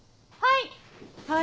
・はい！